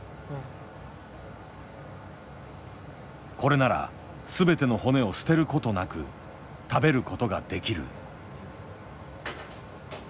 これなら全ての骨を捨てる事なく食べる事ができる。